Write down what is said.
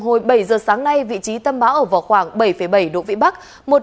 hồi bảy giờ sáng nay vị trí tâm báo ở vỏ khoảng bảy bảy độ vĩ bắc